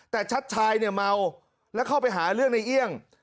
แต่ชัดชายเนี่ยเมาแล้วเข้าไปหาเรื่องในเอี่ยง